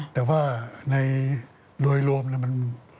แต่ว่าในโดยรวมมัน